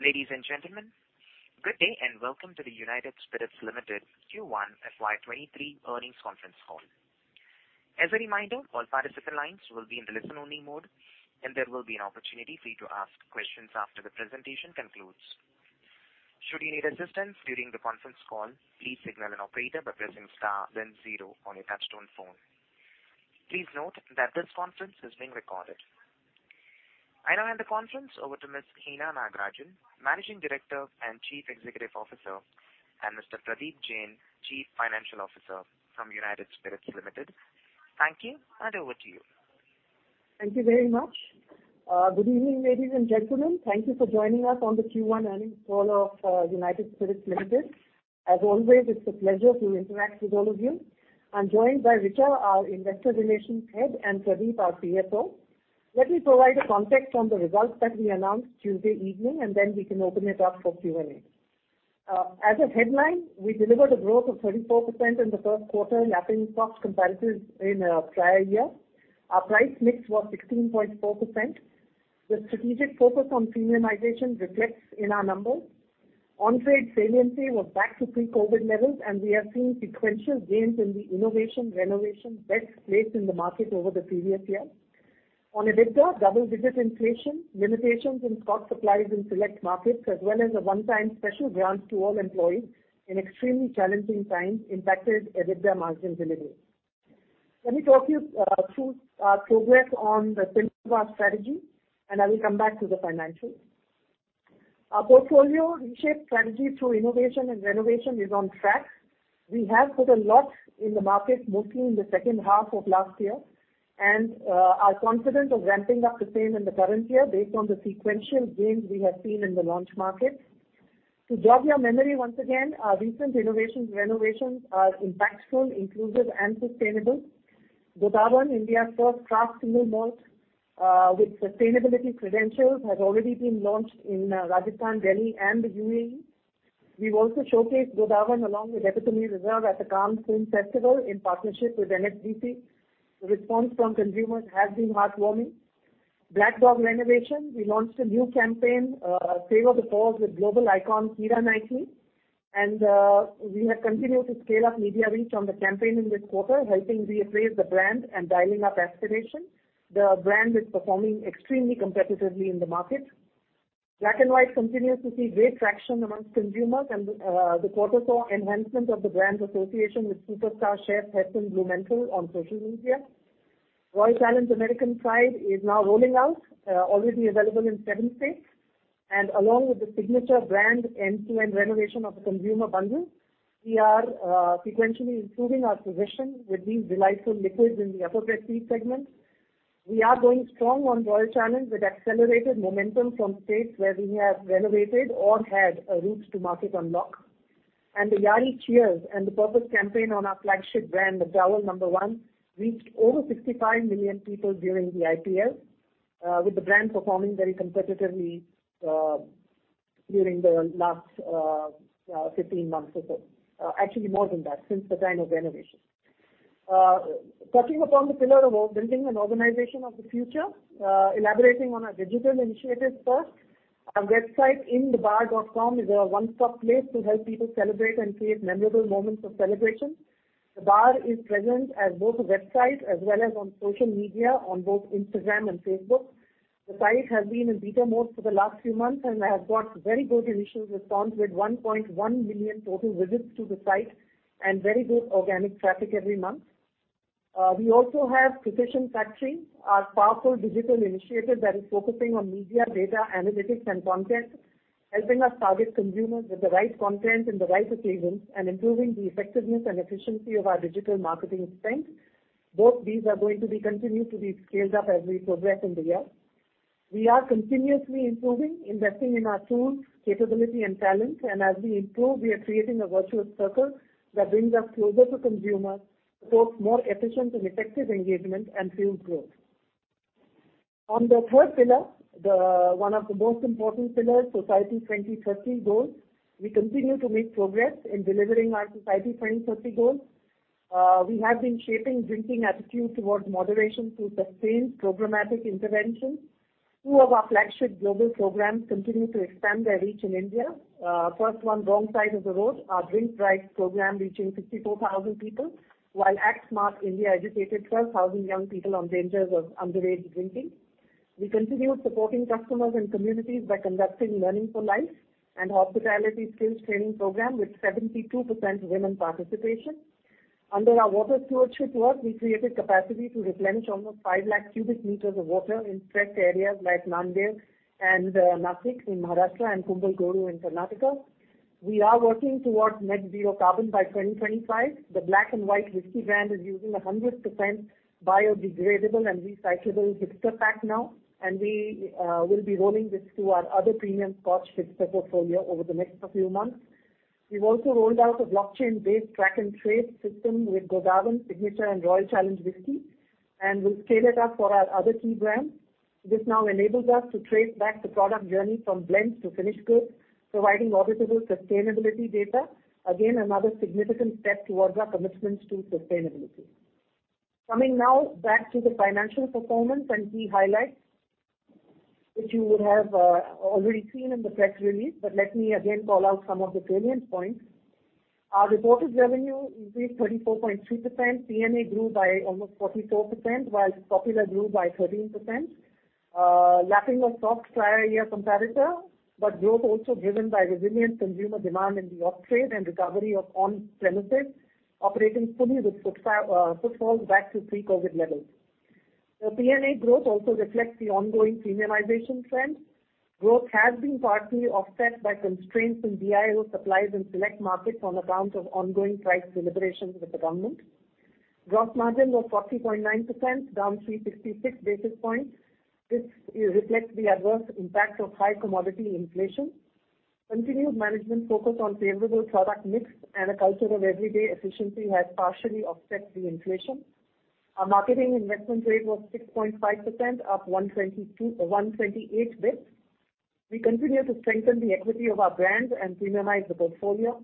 Ladies and gentlemen, good day and welcome to the United Spirits Limited Q1 FY 2023 Earnings Conference Call. As a reminder, all participant lines will be in the listen-only mode, and there will be an opportunity for you to ask questions after the presentation concludes. Should you need assistance during the conference call, please signal an operator by pressing star then zero on your touchtone phone. Please note that this conference is being recorded. I now hand the conference over to Ms. Hina Nagarajan, Managing Director and Chief Executive Officer, and Mr. Pradeep Jain, Chief Financial Officer from United Spirits Limited. Thank you, and over to you. Thank you very much. Good evening, ladies and gentlemen. Thank you for joining us on the Q1 earnings call of United Spirits Limited. As always, it's a pleasure to interact with all of you. I'm joined by Richa, our Investor Relations Head, and Pradeep, our CFO. Let me provide a context on the results that we announced Tuesday evening, and then we can open it up for Q&A. As a headline, we delivered a growth of 34% in the first quarter in apple-to-apple comparatives in prior year. Our price mix was 16.4%. The strategic focus on premiumization reflects in our numbers. On-trade saliency was back to pre-COVID levels, and we are seeing sequential gains in the innovation renovation best placed in the market over the previous year. On EBITDA, double-digit inflation, limitations in Scotch supplies in select markets, as well as a one-time special grant to all employees in extremely challenging times impacted EBITDA margin delivery. Let me talk you through our progress on the pillar strategy, and I will come back to the financials. Our portfolio reshape strategy through innovation and renovation is on track. We have put a lot in the market, mostly in the second half of last year, and are confident of ramping up the same in the current year based on the sequential gains we have seen in the launch markets. To jog your memory once again, our recent innovations renovations are impactful, inclusive and sustainable. Godawan, India's first craft single malt, with sustainability credentials, has already been launched in Rajasthan, Delhi and the UAE. We've also showcased Godawan along with Epitome Reserve at the Cannes Film Festival in partnership with NFDC. The response from consumers has been heartwarming. Black Dog renovation, we launched a new campaign, Savor the Pause with global icon Keira Knightley. We have continued to scale up media reach on the campaign in this quarter, helping reappraise the brand and dialing up aspiration. The brand is performing extremely competitively in the market. Black & White continues to see great traction amongst consumers and the quarter saw enhancement of the brand's association with superstar chef Heston Blumenthal on social media. Royal Challenge American Pride is now rolling out, already available in seven states. Along with the Signature brand end-to-end renovation of the consumer bundle, we are sequentially improving our position with these delightful liquids in the upper grade C segment. We are going strong on Royal Challenge with accelerated momentum from states where we have renovated or had a route to market unlock. The Yaari Cheers and the purpose campaign on our flagship brand, the McDowell's No. One, reached over 65 million people during the IPL, with the brand performing very competitively during the last 15 months or so. Actually more than that, since the time of renovation. Touching upon the pillar of building an organization of the future, elaborating on our digital initiatives first. Our website thebar.com is a one-stop place to help people celebrate and create memorable moments of celebration. The Bar is present on both the website as well as on social media on both Instagram and Facebook. The site has been in beta mode for the last few months, and we have got very good initial response with 1.1 million total visits to the site and very good organic traffic every month. We also have Precision Factory, our powerful digital initiative that is focusing on media, data, analytics, and content, helping us target consumers with the right content in the right occasions and improving the effectiveness and efficiency of our digital marketing expense. Both these are going to be continued to be scaled up as we progress in the year. We are continuously improving, investing in our tools, capability and talent. As we improve, we are creating a virtuous circle that brings us closer to consumers, supports more efficient and effective engagement, and fuels growth. On the third pillar, the one of the most important pillars, Society 2030 goals. We continue to make progress in delivering our Society 2030 goals. We have been shaping drinking attitude towards moderation through sustained programmatic interventions. Two of our flagship global programs continue to expand their reach in India. First one, Wrong Side of the Road, our drink drive program reaching 64,000 people, while SMASHED India educated 12,000 young people on dangers of underage drinking. We continue supporting customers and communities by conducting Learning for Life, a hospitality skills training program with 72% women participation. Under our water stewardship work, we created capacity to replenish almost 5 lakh cubic meters of water in stressed areas like Nandur and Nashik in Maharashtra and Kumbalgodu in Karnataka. We are working towards net zero carbon by 2025. The Black & White whisky brand is using 100% biodegradable and recyclable hipster pack now, and we will be rolling this to our other premium scotch hipster portfolio over the next few months. We've also rolled out a blockchain-based track and trace system with Godawan, Signature and Royal Challenge whisky, and we'll scale it up for our other key brands. This now enables us to trace back the product journey from blend to finished goods, providing auditable sustainability data. Again, another significant step towards our commitments to sustainability. Coming now back to the financial performance and key highlights, which you would have already seen in the press release. Let me again call out some of the salient points. Our reported revenue increased 34.2%. P&A grew by almost 44%, while Popular grew by 13%. Lacking a soft prior year comparator, growth also driven by resilient consumer demand in the off-trade and recovery of on-premises operating fully with footfall back to pre-COVID levels. The P&A growth also reflects the ongoing premiumization trend. Growth has been partly offset by constraints in ENA supplies in select markets on account of ongoing price deliberations with the government. Gross margin was 40.9%, down 356 basis points. This reflects the adverse impact of high commodity inflation. Continued management focus on favorable product mix and a culture of everyday efficiency has partially offset the inflation. Our marketing investment rate was 6.5%, up 128 basis points. We continue to strengthen the equity of our brands and premiumize the portfolio.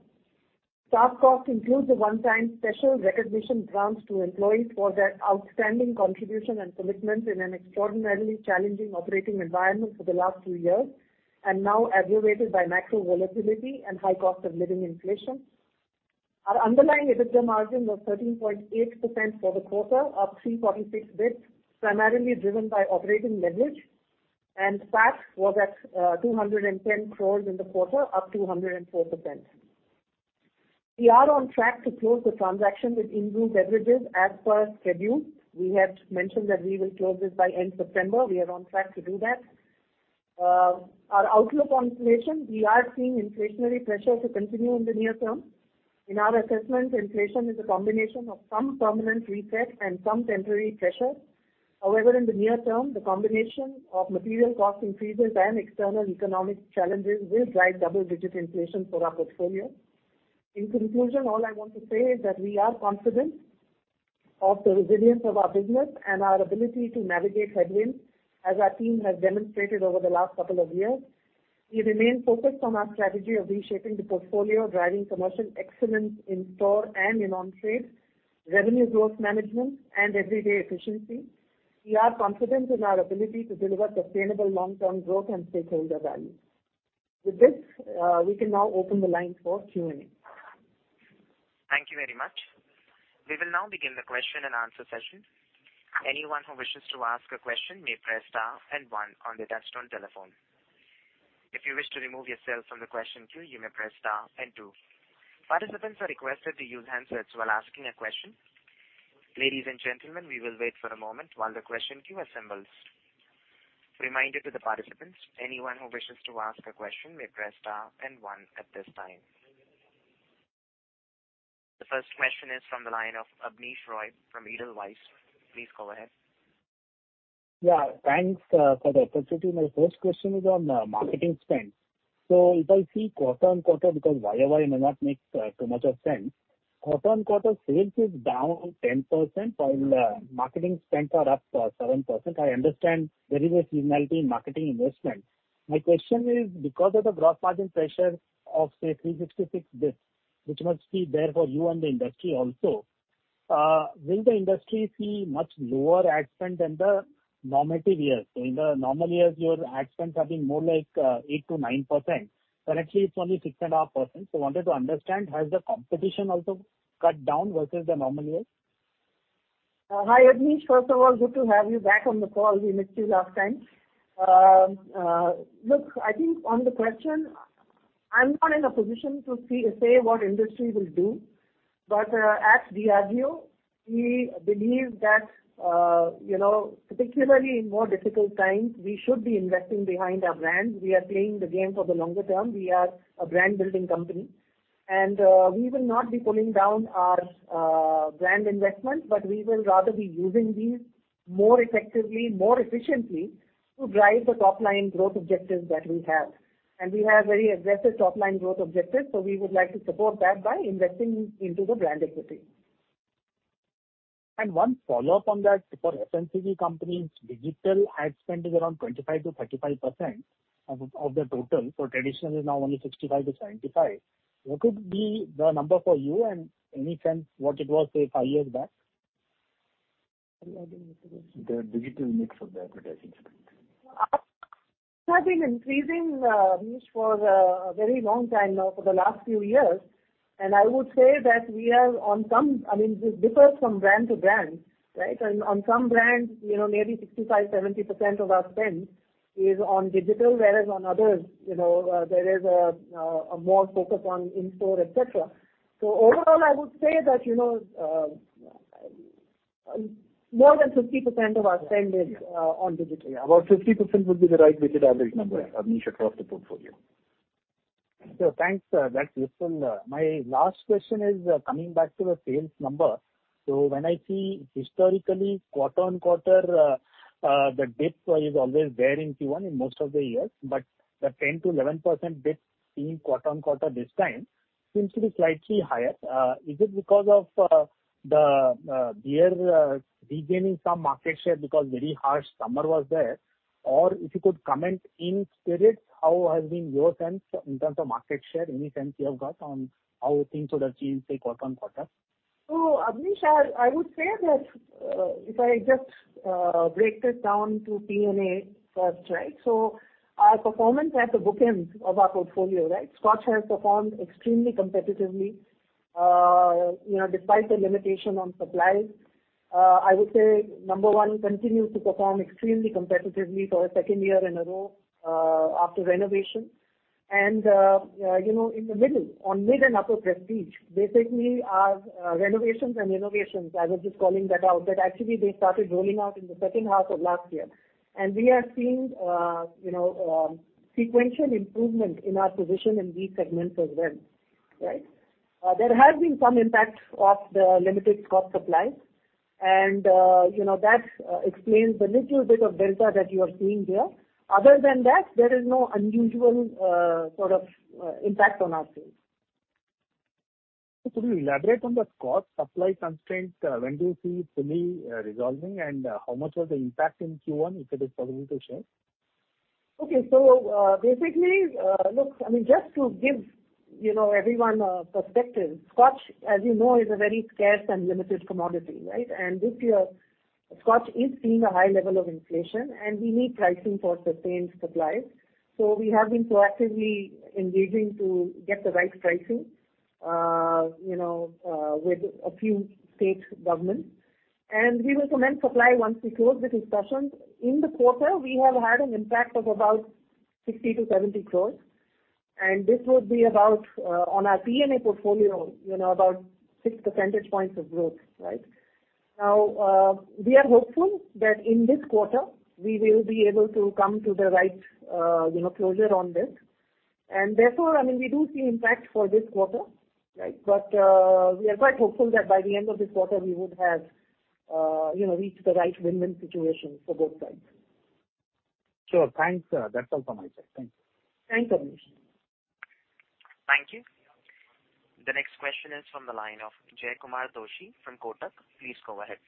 Staff cost includes a one-time special recognition grant to employees for their outstanding contribution and commitment in an extraordinarily challenging operating environment for the last few years, and now aggravated by macro volatility and high cost of living inflation. Our underlying EBITDA margin was 13.8% for the quarter, up 346 basis points, primarily driven by operating leverage, and tax was at 210 crore in the quarter, up 204%. We are on track to close the transaction with Inbrew Beverages as per schedule. We had mentioned that we will close this by end September. We are on track to do that. Our outlook on inflation, we are seeing inflationary pressures to continue in the near term. In our assessment, inflation is a combination of some permanent reset and some temporary pressures. However, in the near term, the combination of material cost increases and external economic challenges will drive double-digit inflation for our portfolio. In conclusion, all I want to say is that we are confident of the resilience of our business and our ability to navigate headwinds, as our team has demonstrated over the last couple of years. We remain focused on our strategy of reshaping the portfolio, driving commercial excellence in store and in on-trade, revenue growth management, and everyday efficiency. We are confident in our ability to deliver sustainable long-term growth and stakeholder value. With this, we can now open the line for Q&A. Thank you very much. We will now begin the question and answer session. Anyone who wishes to ask a question may press star and one on the touch-tone telephone. If you wish to remove yourself from the question queue, you may press star and two. Participants are requested to use handsets while asking a question. Ladies and gentlemen, we will wait for a moment while the question queue assembles. Reminder to the participants, anyone who wishes to ask a question may press star and one at this time. The first question is from the line of Abneesh Roy from Edelweiss. Please go ahead. Yeah, thanks for the opportunity. My first question is on marketing spend. If I see quarter-on-quarter, because YOY may not make too much of sense. Quarter-on-quarter sales is down 10%, while marketing spend are up 7%. I understand there is a seasonality in marketing investment. My question is, because of the gross margin pressure of, say, 366 basis points, which must be there for you and the industry also, will the industry see much lower ad spend than the normative years? In the normal years, your ad spends have been more like 8%-9%. Currently, it's only 6.5%. Wanted to understand, has the competition also cut down versus the normal years? Hi, Abneesh. First of all, good to have you back on the call. We missed you last time. Look, I think on the question, I'm not in a position to say what industry will do. At Diageo, we believe that, you know, particularly in more difficult times, we should be investing behind our brands. We are playing the game for the longer term. We are a brand building company, and we will not be pulling down our brand investment, but we will rather be using these more effectively, more efficiently to drive the top-line growth objectives that we have. We have very aggressive top-line growth objectives, so we would like to support that by investing into the brand equity. One follow-up on that. For FMCG companies, digital ad spend is around 25%-35% of the total. Traditional is now only 65%-75%. What could be the number for you? Any sense what it was, say, five years back? What are you asking me to do? The digital mix of the advertising spend. It has been increasing, Abneesh, for a very long time now, for the last few years. I would say that I mean, this differs from brand to brand, right? On some brands, you know, maybe 65%-70% of our spend is on digital, whereas on others, you know, there is a more focus on in-store, et cetera. Overall, I would say that, you know, more than 50% of our spend is on digital. About 50% would be the right weighted average number, Abneesh, across the portfolio. Thanks. That's useful. My last question is coming back to the sales number. When I see historically quarter-over-quarter, the dip was always there in Q1 in most of the years, but the 10%-11% dip seen quarter-over-quarter this time seems to be slightly higher. Is it because of the beer regaining some market share because very harsh summer was there? If you could comment on period, how has been your sense in terms of market share, any sense you have got on how things would have changed, say, quarter on quarter? Abneesh, I would say that if I just break this down to P&A first, right? Our performance at the book end of our portfolio, right? Scotch has performed extremely competitively despite the limitation on supply. I would say Number One continues to perform extremely competitively for a second year in a row after renovation. In the middle, on mid and upper prestige, basically our renovations and innovations, I was just calling that out, that actually they started rolling out in the second half of last year. We are seeing sequential improvement in our position in these segments as well, right? There has been some impact of the limited Scotch supply and that explains the little bit of delta that you are seeing there. Other than that, there is no unusual, sort of, impact on our sales. Could you elaborate on the Scotch supply constraint? When do you see it fully resolving, and how much was the impact in Q1, if it is possible to share? Okay. Basically, look, I mean, just to give, you know, everyone a perspective, Scotch, as you know, is a very scarce and limited commodity, right? This year, Scotch is seeing a high level of inflation, and we need pricing for sustained supply. We have been proactively engaging to get the right pricing, you know, with a few state governments. We will commence supply once we close the discussions. In the quarter, we have had an impact of about 60-70 crores, and this would be about on our P&A portfolio, you know, about 6 percentage points of growth, right? Now, we are hopeful that in this quarter we will be able to come to the right, you know, closure on this. Therefore, I mean, we do see impact for this quarter, right? We are quite hopeful that by the end of this quarter we would have, you know, reached the right win-win situation for both sides. Sure. Thanks. That's all from my side. Thank you. Thanks, Abneesh. Thank you. The next question is from the line of Jaykumar Doshi from Kotak. Please go ahead.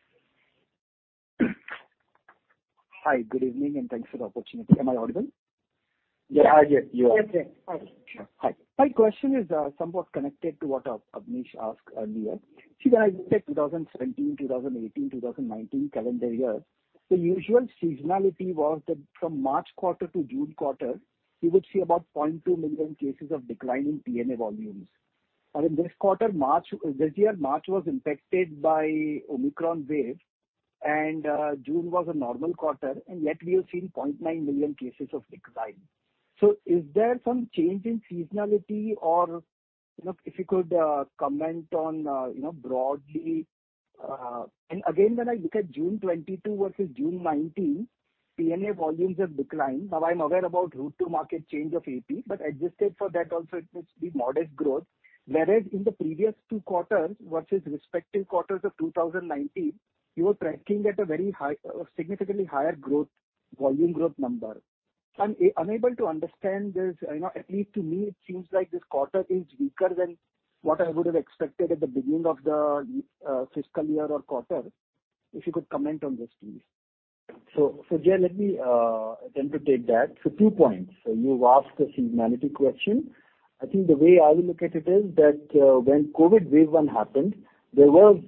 Hi, good evening, and thanks for the opportunity. Am I audible? Yeah. I hear you. Yes, Jay. Hi. Hi. My question is somewhat connected to what Abneesh asked earlier. See, when I looked at 2017, 2018, 2019 calendar years, the usual seasonality was that from March quarter to June quarter, you would see about 0.2 million cases of decline in P&A volumes. In this quarter, this year, March was impacted by Omicron wave and June was a normal quarter, and yet we have seen 0.9 million cases of decline. Is there some change in seasonality? Or, you know, if you could comment on, you know, broadly. Again, when I look at June 2022 versus June 2019, P&A volumes have declined. Now, I'm aware about route to market change of A&P, but adjusted for that also it was the modest growth. Whereas in the previous two quarters versus respective quarters of 2019, you were tracking at a very high, significantly higher growth, volume growth number. I'm unable to understand this. You know, at least to me, it seems like this quarter is weaker than what I would have expected at the beginning of the fiscal year or quarter. If you could comment on this, please. Jay, let me attempt to take that. Two points. You've asked a seasonality question. I think the way I will look at it is that when COVID wave one happened, there was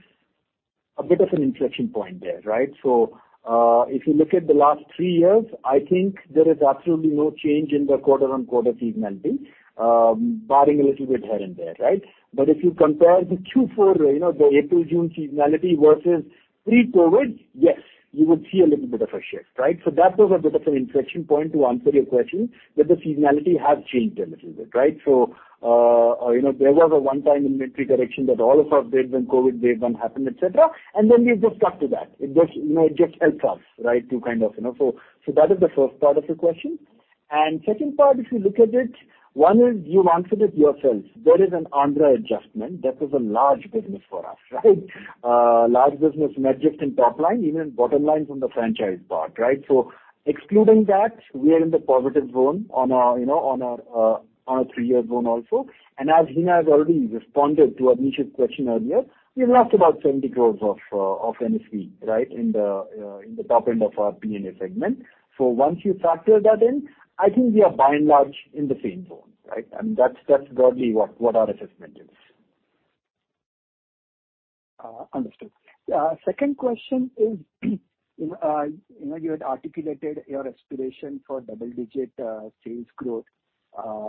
a bit of an inflection point there, right? If you look at the last three years, I think there is absolutely no change in the quarter-on-quarter seasonality, barring a little bit here and there, right? If you compare the Q4, you know, the April/June seasonality versus pre-COVID, yes, you would see a little bit of a shift, right? That was a bit of an inflection point, to answer your question, that the seasonality has changed a little bit, right? You know, there was a one-time inventory correction that all of us did when COVID wave one happened, et cetera. Then we've just stuck to that. It just, you know, it just helps us, right? To kind of, you know. That is the first part of your question. Second part, if you look at it, one is you've answered it yourself. There is an Andhra adjustment. That is a large business for us, right? Large business not just in top line, even in bottom line from the franchise part, right? Excluding that, we are in the positive zone on our three-year zone also. As Hina has already responded to Abneesh's question earlier, we lost about 70 crore of NSV, right, in the top end of our P&A segment. Once you factor that in, I think we are by and large in the same zone, right? I mean, that's broadly what our assessment is. Understood. Second question is, you know, you had articulated your aspiration for double-digit sales growth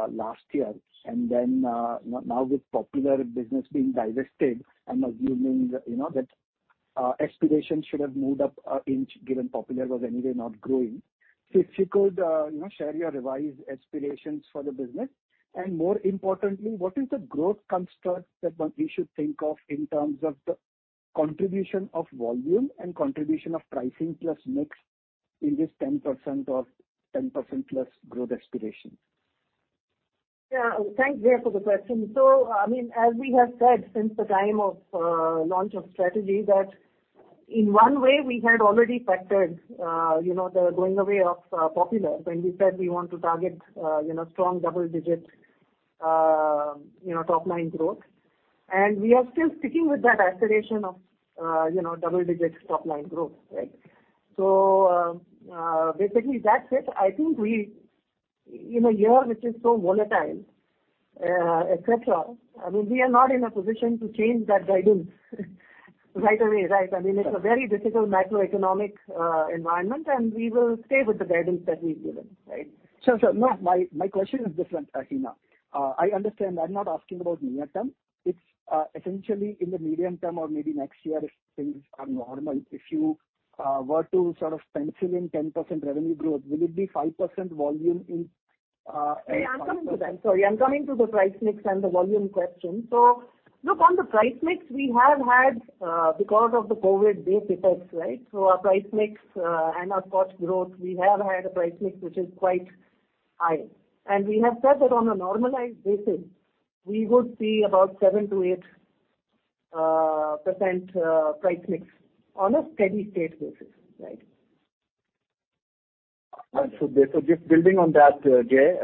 last year. Now with Popular business being divested, I'm assuming, you know, that aspiration should have moved up an inch, given Popular was anyway not growing. If you could, you know, share your revised aspirations for the business. More importantly, what is the growth construct that one we should think of in terms of the contribution of volume and contribution of pricing plus mix in this 10% or 10%+ growth aspiration? Yeah. Thanks, Jay, for the question. I mean, as we have said since the time of launch of strategy, that in one way we had already factored you know the going away of Popular when we said we want to target you know strong double-digit you know top-line growth. We are still sticking with that acceleration of you know double-digit top-line growth, right? Basically that's it. I think in a year which is so volatile, et cetera, I mean, we are not in a position to change that guidance right away, right? I mean, it's a very difficult macroeconomic environment, and we will stay with the guidance that we've given, right? Sure. No, my question is different, Hina. I understand. I'm not asking about near term. It's essentially in the medium term or maybe next year if things are normal. If you were to sort of pencil in 10% revenue growth, will it be 5% volume in in- Yeah, I'm coming to that. Sorry, I'm coming to the price mix and the volume question. Look, on the price mix we have had, because of the COVID base effects, right? Our price mix and our scotch growth, we have had a price mix which is quite high. We have said that on a normalized basis we would see about 7%-8% price mix on a steady state basis, right? Just building on that, Jay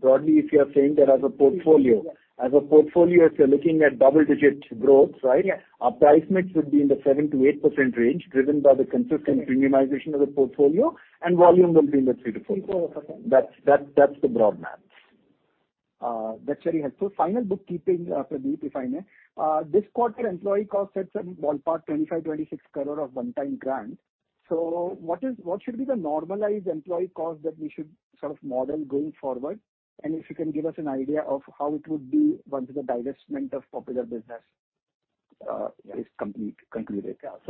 broadly, if you are saying that as a portfolio. Yes. As a portfolio, if you're looking at double-digit growth, right? Yeah. Our price mix would be in the 7%-8% range, driven by the consistent. Correct. premiumization of the portfolio, and volume will be in the 3%-4%. 3%-4%. That's the broad math. That's very helpful. Final bookkeeping, Pradeep, if I may. This quarter employee cost had some ballpark 25-26 crore of one-time grant. What should be the normalized employee cost that we should sort of model going forward? If you can give us an idea of how it would be once the divestment of Popular business is complete?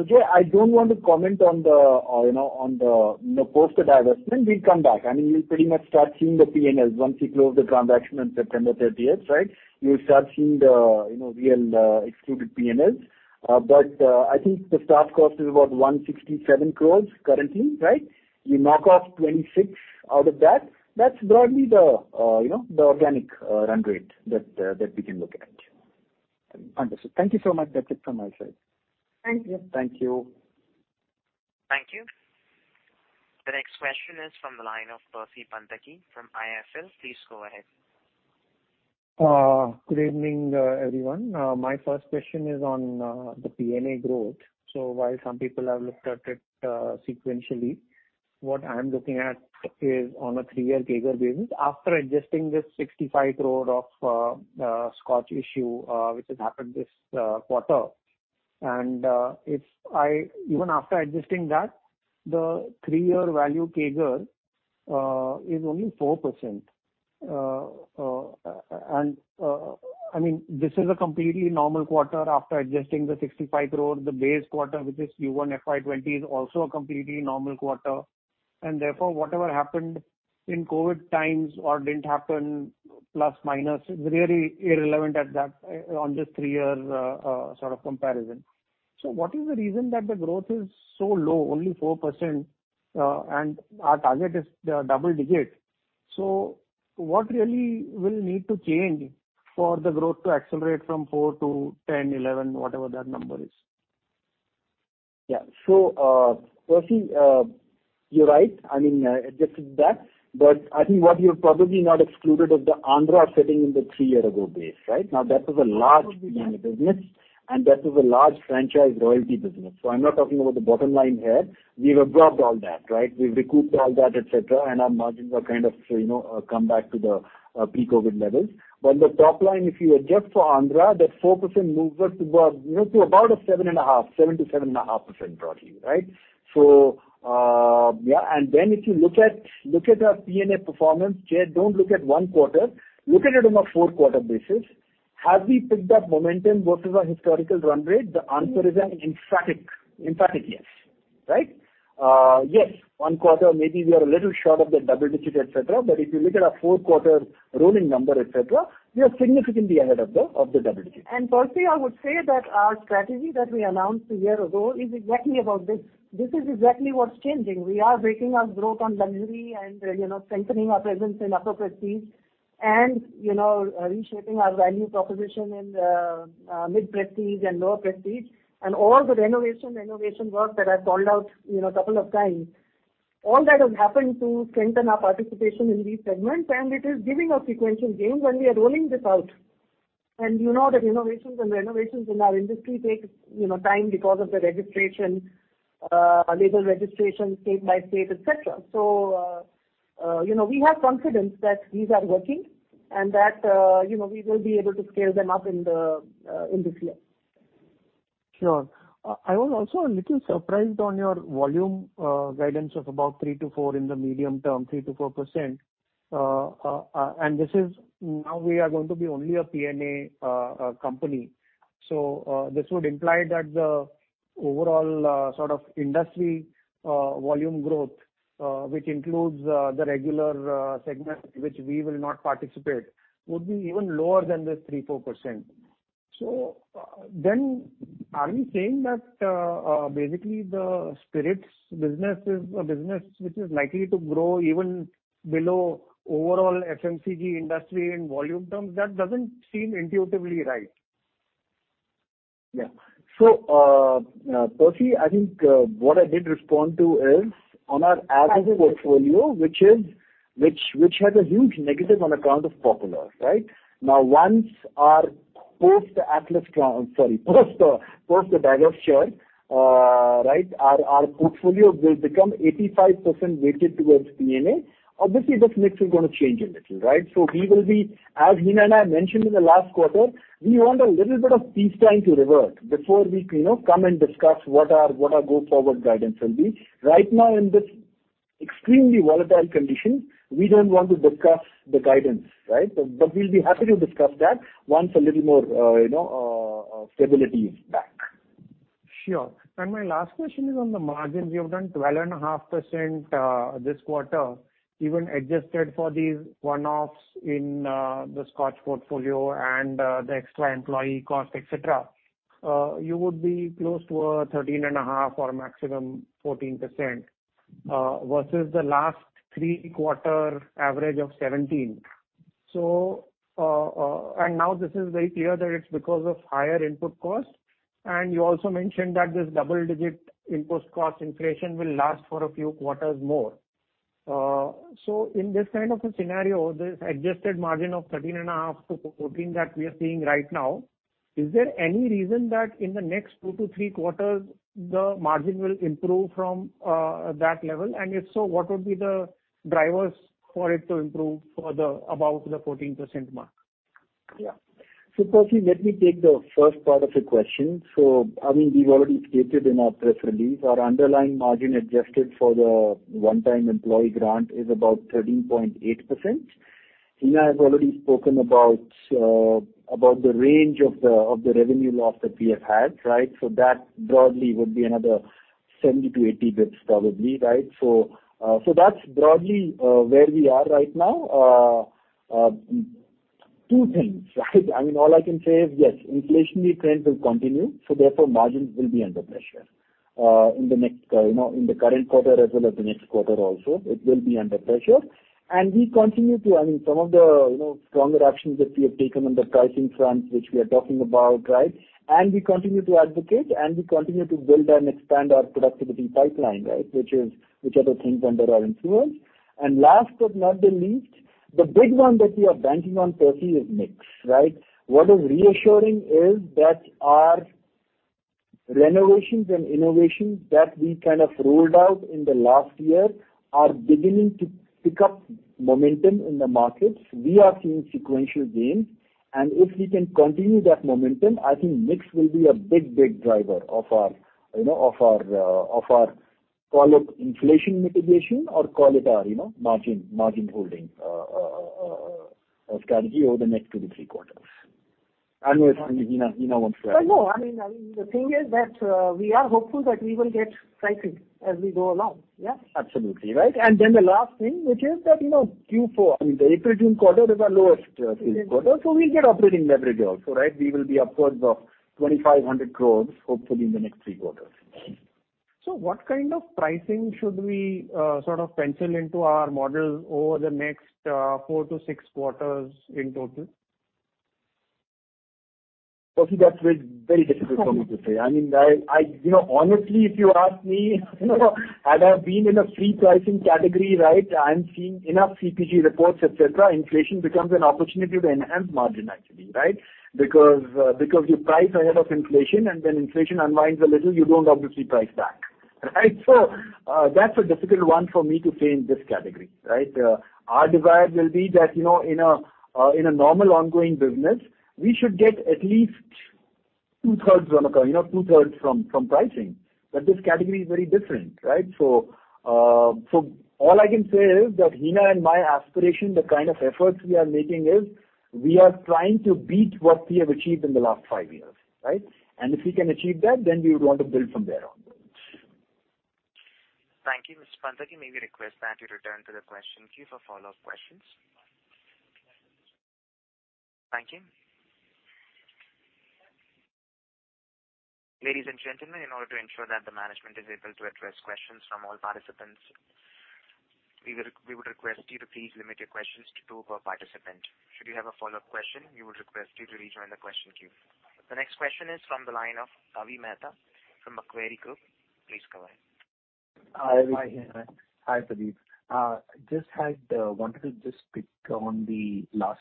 Jay, I don't want to comment. You know, post the divestment, we come back. I mean, you'll pretty much start seeing the P&L once we close the transaction on September thirtieth, right? You'll start seeing the you know real excluded P&L. But I think the staff cost is about 167 crores currently, right? You knock off 26 out of that. That's broadly the you know the organic run rate that we can look at. Understood. Thank you so much. That's it from my side. Thank you. Thank you. Thank you. The next question is from the line of Percy Panthaki from IIFL. Please go ahead. Good evening, everyone. My first question is on the P&A growth. While some people have looked at it sequentially, what I'm looking at is on a three-year CAGR basis, after adjusting this 65 crore of scotch issue, which has happened this quarter. Even after adjusting that, the three-year value CAGR is only 4%. I mean, this is a completely normal quarter after adjusting the 65 crore. The base quarter, which is Q1 FY 2020, is also a completely normal quarter. Therefore, whatever happened in COVID times or didn't happen, plus, minus, is really irrelevant at that on this three-year sort of comparison. What is the reason that the growth is so low, only 4%, and our target is the double digit? What really will need to change for the growth to accelerate from 4% to 10%, 11%, whatever that number is? Yeah. Percy, you're right. I mean, adjusted that. I think what you've probably not excluded is the Andhra sitting in the three years ago base, right? Now, that was a large Probably, yeah. business, and that was a large franchise royalty business. I'm not talking about the bottom line here. We've absorbed all that, right? We've recouped all that, et cetera, and our margins are kind of, you know, come back to the pre-COVID levels. The top line, if you adjust for Andhra, that 4% moves us to about, you know, to about a 7.5, 7-7.5% broadly, right? Yeah. If you look at our P&A performance, Percy, don't look at one quarter. Look at it on a four-quarter basis. Have we picked up momentum versus our historical run rate? The answer is an emphatic yes, right? Yes, one quarter, maybe we are a little short of the double digit, et cetera, but if you look at our four-quarter rolling number, et cetera, we are significantly ahead of the double digit. Percy, I would say that our strategy that we announced a year ago is exactly about this. This is exactly what's changing. We are betting on growth on luxury and, you know, strengthening our presence in upper prestige and, you know, reshaping our value proposition in mid prestige and lower prestige. All the renovation work that I've called out, you know, a couple of times, all that has happened to strengthen our participation in these segments, and it is giving us sequential gains, and we are rolling this out. You know that renovations in our industry take, you know, time because of the registration, labor registration state by state, et cetera. You know, we have confidence that these are working and that, you know, we will be able to scale them up in this year. Sure. I was also a little surprised on your volume guidance of about 3%-4% in the medium term. This is now we are going to be only a P&A company. This would imply that the overall sort of industry volume growth, which includes the regular segment which we will not participate, would be even lower than this 3%-4%. Then are we saying that basically the spirits business is a business which is likely to grow even below overall FMCG industry in volume terms? That doesn't seem intuitively right. Yeah. Percy, I think what I did respond to is on our aggregate portfolio, which has a huge negative on account of Popular, right? Now, once post the divestiture, right, our portfolio will become 85% weighted towards PMA. Obviously, this mix is gonna change a little, right? We will be, as Hina and I mentioned in the last quarter, we want a little bit of peace time to revert before we, you know, come and discuss what our go-forward guidance will be. Right now in this extremely volatile condition, we don't want to discuss the guidance, right? We'll be happy to discuss that once a little more, you know, stability is back. Sure. My last question is on the margin. You have done 12.5%, this quarter, even adjusted for these one-offs in the Scotch portfolio and the extra employee cost, et cetera. You would be close to a 13.5% or maximum 14%, versus the last three quarters average of 17%. Now this is very clear that it's because of higher input costs. You also mentioned that this double-digit input cost inflation will last for a few quarters more. In this kind of a scenario, this adjusted margin of 13.5%-14% that we are seeing right now, is there any reason that in the next 2-3 quarters, the margin will improve from that level? If so, what would be the drivers for it to improve to above the 14% mark? Yeah. Percy, let me take the first part of your question. I mean, we've already stated in our press release, our underlying margin adjusted for the one-time employee grant is about 13.8%. Hina has already spoken about the range of the revenue loss that we have had, right? That broadly would be another 70-80 basis points probably, right? That's broadly where we are right now. Two things, right? I mean, all I can say is, yes, inflationary trends will continue, so therefore margins will be under pressure. In the next, you know, in the current quarter as well as the next quarter also, it will be under pressure. We continue to I mean, some of the, you know, stronger actions that we have taken on the pricing front, which we are talking about, right? We continue to advocate, and we continue to build and expand our productivity pipeline, right? Which are the things under our influence. Last but not the least, the big one that we are banking on, Percy, is mix, right? What is reassuring is that our renovations and innovations that we kind of rolled out in the last year are beginning to pick up momentum in the markets. We are seeing sequential gains. If we can continue that momentum, I think mix will be a big, big driver of our, you know, of our call it inflation mitigation or call it our, you know, margin holding strategy over the next two to three quarters. I don't know if, I mean, Hina wants to add. Well, no. I mean, the thing is that, we are hopeful that we will get pricing as we go along. Yeah. Absolutely, right. The last thing, which is that, you know, Q4, I mean the April-June quarter is our lowest sales quarter. We'll get operating leverage also, right? We will be upwards of 2,500 crores, hopefully in the next three quarters. What kind of pricing should we sort of pencil into our models over the next 4-6 quarters in total? Percy, that's very, very difficult for me to say. I mean, I. You know, honestly, if you ask me, you know, and I've been in a free pricing category, right, I'm seeing enough CPG reports, et cetera. Inflation becomes an opportunity to enhance margin actually, right? Because you price ahead of inflation, and when inflation unwinds a little, you don't obviously price back. Right? That's a difficult one for me to say in this category, right? Our desire will be that, you know, in a normal ongoing business, we should get at least two-thirds recovery, you know, two-thirds from pricing. This category is very different, right? All I can say is that Hina and my aspiration, the kind of efforts we are making is we are trying to beat what we have achieved in the last five years, right? If we can achieve that, then we would want to build from there on. Thank you. Mr. Panthaki, may we request that you return to the question queue for follow-up questions. Thank you. Ladies and gentlemen, in order to ensure that the management is able to address questions from all participants, we would request you to please limit your questions to two per participant. Should you have a follow-up question, we would request you to rejoin the question queue. The next question is from the line of Kavi Mehta from Macquarie Group. Please go ahead. Hi. Hi, Hina. Hi, Pradeep. Just wanted to pick up on the last.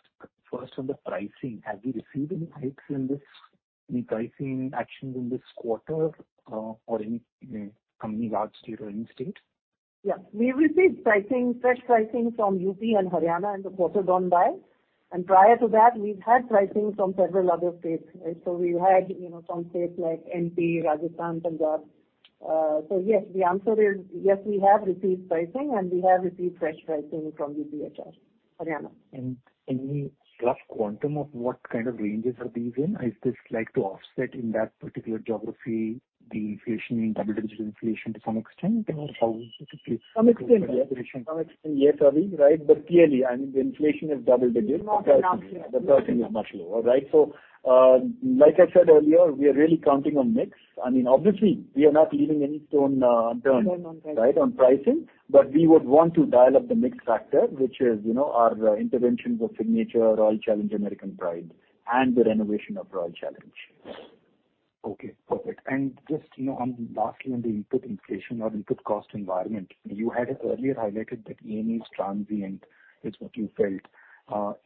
First on the pricing. Have you received any hikes in this, any pricing actions in this quarter, or any, you know, coming up in state or any state? Yeah. We received pricing, fresh pricing from UP and Haryana in the quarter gone by. Prior to that, we've had pricing from several other states. We had, you know, some states like MP, Rajasthan, Punjab. Yes, the answer is yes, we have received pricing and we have received fresh pricing from UP, Haryana. any rough quantum of what kind of ranges are these in? Is this like to offset in that particular geography the inflation in double-digit inflation to some extent? Or how is it- To some extent, yes, Kavi, right? Clearly, I mean, the inflation is double digits. It's not enough. The pricing is much lower, right? Like I said earlier, we are really counting on mix. I mean, obviously we are not leaving any stone unturned. Unturned on pricing. Right, on pricing. We would want to dial up the mix factor, which is, you know, our interventions of Signature, Royal Challenge, American Pride, and the renovation of Royal Challenge. Okay, perfect. Just, you know, I'm asking on the input inflation or input cost environment. You had earlier highlighted that ENA is transient, is what you felt. You know,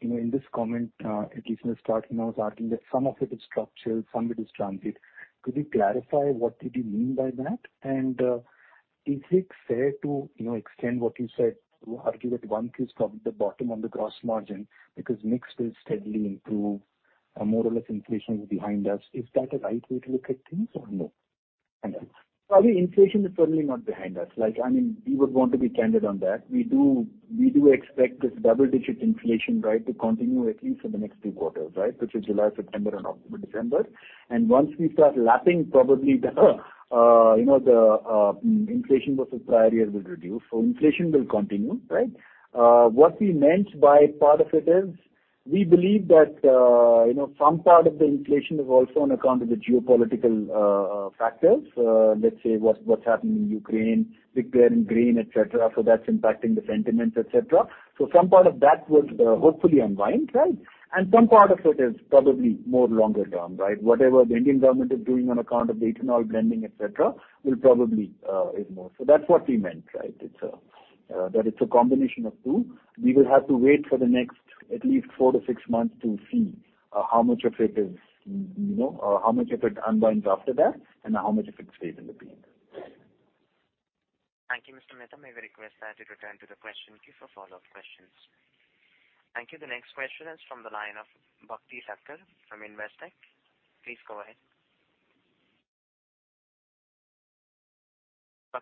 in this comment, at least in the start, you know, I was arguing that some of it is structural, some of it is transient. Could you clarify what did you mean by that? Is it fair to, you know, extend what you said to argue that one is probably the bottom on the gross margin because mix will steadily improve and more or less inflation is behind us. Is that a right way to look at things or no? I mean, inflation is certainly not behind us. Like, I mean, we would want to be candid on that. We do expect this double-digit inflation, right, to continue at least for the next three quarters, right? Which is July, September and October, December. Once we start lapping probably the inflation versus prior year will reduce. Inflation will continue, right? What we meant by part of it is we believe that, you know, some part of the inflation is also on account of the geopolitical factors. Let's say what's happening in Ukraine, Big Bear and Green, et cetera. That's impacting the sentiments, et cetera. Some part of that will hopefully unwind, right? Some part of it is probably more longer term, right? Whatever the Indian government is doing on account of the ethanol blending, et cetera, will probably ignore. That's what we meant, right? It's that it's a combination of two. We will have to wait for the next at least 4-6 months to see how much of it is, you know, or how much of it unwinds after that and how much of it stays in the P&L. Thank you, Mr. Mehta. May we request that you return to the question queue for follow-up questions. Thank you. The next question is from the line of Harit Kapoor from Investec. Please go ahead.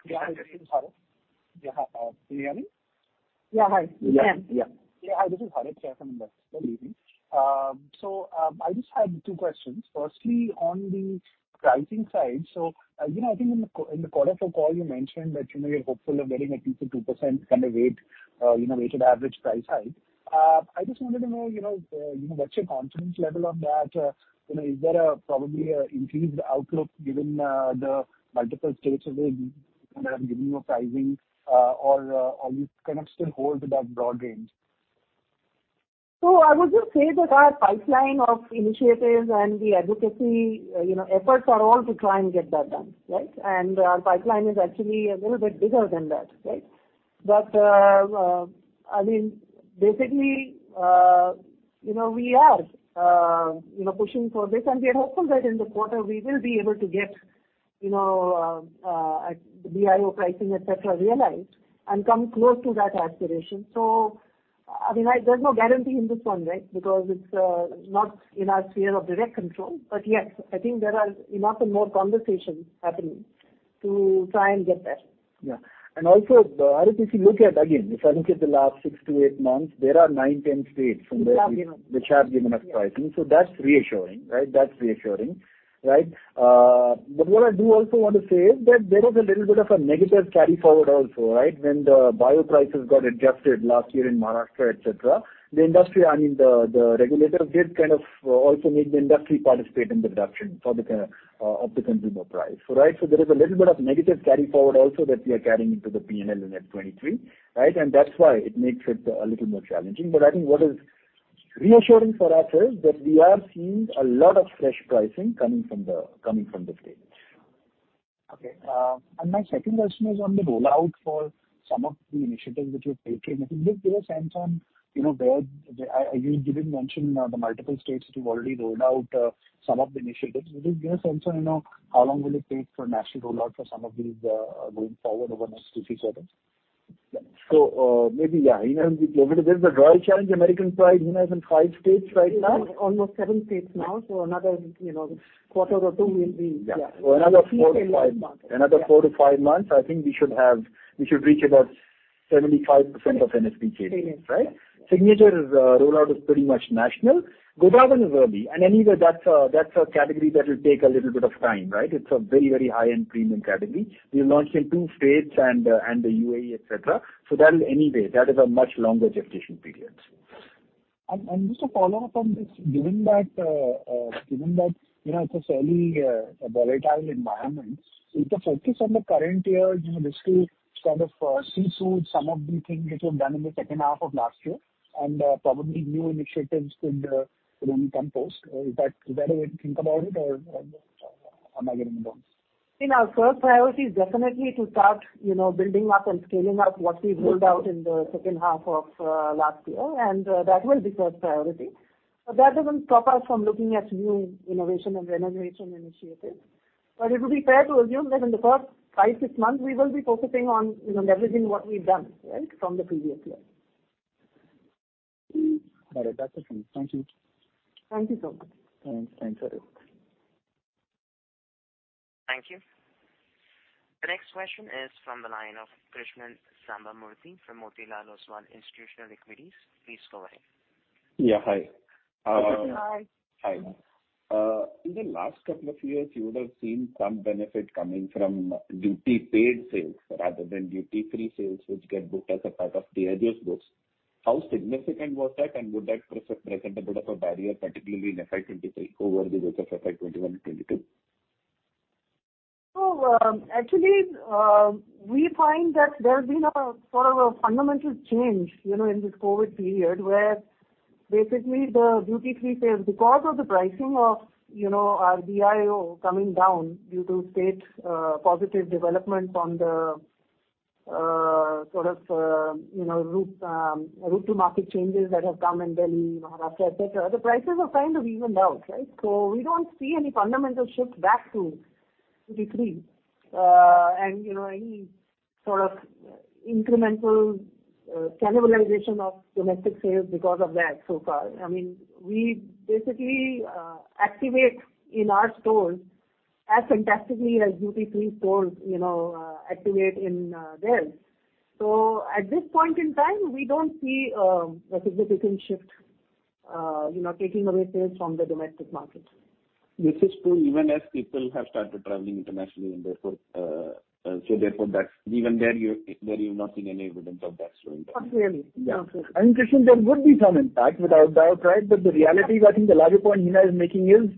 Harit Kapoor. This is Harit here from Investec. Good evening. I just had two questions. Firstly, on the pricing side. You know, I think in the quarter four call you mentioned that, you know, you're hopeful of getting at least a 2% kind of weighted average price hike. I just wanted to know, you know, what's your confidence level on that? You know, is there probably an increased outlook given the multiple states that they, you know, have given you a pricing, or you kind of still hold to that broad range? I would just say that our pipeline of initiatives and the advocacy, you know, efforts are all to try and get that done, right? Our pipeline is actually a little bit bigger than that, right? I mean, basically, you know, we are, you know, pushing for this and we are hopeful that in the quarter we will be able to get, you know, the BIO pricing, et cetera, realized and come close to that aspiration. I mean, there's no guarantee in this one, right? Because it's not in our sphere of direct control. Yes, I think there are enough and more conversations happening to try and get there. Yeah. If you look at, again, if I look at the last six to eight months, there are nine, ten states which have given us pricing. Yes. So that's reassuring, right? But what I do also want to say is that there is a little bit of a negative carry forward also, right? When the BIO prices got adjusted last year in Maharashtra, et cetera, the industry, I mean, the regulators did kind of also make the industry participate in the reduction of the consumer price, right? So there is a little bit of negative carry forward also that we are carrying into the P&L in 2023, right? That's why it makes it a little more challenging I think what is reassuring for us is that we are seeing a lot of fresh pricing coming from the states. Okay. My second question is on the rollout for some of the initiatives which you have taken. I think just give a sense on, you know, where. You did mention the multiple states that you've already rolled out some of the initiatives. Will you give a sense on, you know, how long will it take for national rollout for some of these going forward over the next two, three quarters? Maybe, yeah, you know, there's the Royal Challenge American Pride, you know, is in five states right now. Almost seven states now. So another, you know, quarter or two will be. Yeah. So another 4 to 5. Detailed over. Yeah. Another 4-5 months, I think we should reach about 75% of NSV, right? Yes. Signature's rollout is pretty much national. Godawan is early, and anyway, that's a category that will take a little bit of time, right? It's a very high-end premium category. We launched in two states and the UAE, et cetera. So that is anyway a much longer gestation period. Just a follow-up on this, given that you know it's a fairly volatile environment, is the focus on the current year you know basically kind of seesaw some of the things which were done in the second half of last year, and probably new initiatives could then come post. Is that the way to think about it or am I getting it wrong? I mean, our first priority is definitely to start, you know, building up and scaling up what we've rolled out in the second half of last year. That will be first priority. That doesn't stop us from looking at new innovation and renovation initiatives. It will be fair to assume that in the first five, six months, we will be focusing on, you know, leveraging what we've done, right, from the previous year. Got it. That's it from me. Thank you. Thank you so much. Thanks. Thanks a lot. Thank you. The next question is from the line of Krishnan Sambamoorthy from Motilal Oswal Institutional Equities. Please go ahead. Yeah. Hi. Hi. Hi. In the last couple of years, you would have seen some benefit coming from duty paid sales rather than duty free sales, which get booked as a part of the previous books. How significant was that and would that present a bit of a barrier, particularly in FY 2023 over the course of FY 2021 and 2022? Actually, we find that there's been a sort of a fundamental change, you know, in this COVID period, where basically the duty-free sales, because of the pricing of, you know, our BIO coming down due to state positive development on the sort of, you know, route to market changes that have come in Delhi, Maharashtra, et cetera, the prices have kind of evened out, right? We don't see any fundamental shift back to duty-free and, you know, any sort of incremental cannibalization of domestic sales because of that so far. I mean, we basically activate in our stores as fantastically as duty-free stores, you know, activate in theirs. At this point in time, we don't see a significant shift, you know, taking away sales from the domestic market. This is true even as people have started traveling internationally and therefore that's even there. There you've not seen any evidence of that slowing down. Not really. No. Yeah. Krishnan, there would be some impact, without doubt, right? The reality is, I think the larger point Hina is making is